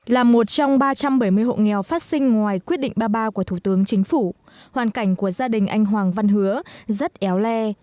là một trong ba trăm bảy mươi hộ nghèo phát sinh ngoài quyết định ba mươi ba của thủ tướng chính phủ hoàn cảnh của gia đình anh hoàng văn hứa rất éo le